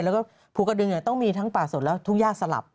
แล้วก็ภูกระดึงต้องมีทั้งป่าสดและทุ่งย่าสลับ